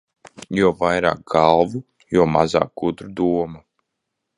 Jo vairāk galvu, jo mazāk gudru domu.